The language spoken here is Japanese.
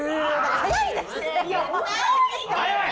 早い。